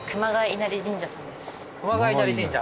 熊谷稲荷神社？